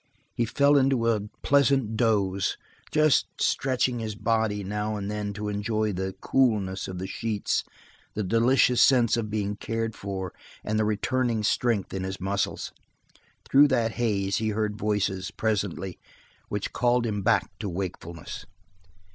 He fell into a pleasant doze, just stretching his body now and then to enjoy the coolness of the sheets, the delicious sense of being cared for and the returning strength in his muscles. Through that haze he heard voices, presently, which called him back to wakefulness.